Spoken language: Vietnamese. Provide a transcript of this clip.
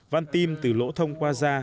văn tim từ lỗ thông qua da